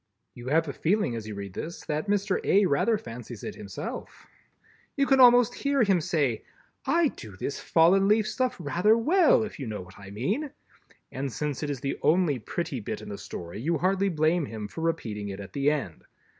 You have a feeling as you read this, that Mr. A. rather fancies it himself. You can almost hear him say: "I do this fallen leaf stuff rather well, if you know what I mean!" and since it is the only pretty bit in the Story, you hardly blame him for repeating it at the end.